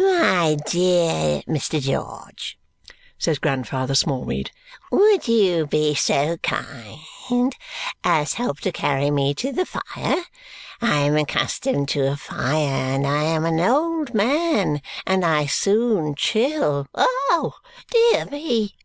"My dear Mr. George," says Grandfather Smallweed, "would you be so kind as help to carry me to the fire? I am accustomed to a fire, and I am an old man, and I soon chill. Oh, dear me!"